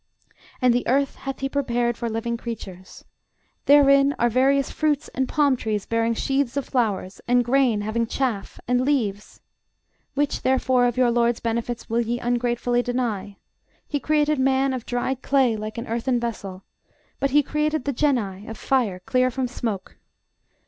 And the earth hath he prepared for living creatures: therein are various fruits, and palm trees bearing sheaths of flowers; and grain having chaff, and leaves. Which, therefore, of your LORD'S benefits will ye ungratefully deny? He created man of dried clay like an earthen vessel: but he created the genii of fire clear from smoke.